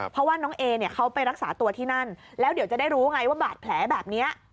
เพราะว่าน้องเอเนี่ยเขาไปรักษาตัวที่นั่นแล้วเดี๋ยวจะได้รู้ไงว่าบาดแผลแบบนี้